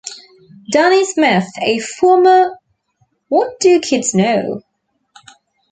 Donnie Smith, a former What Do Kids Know?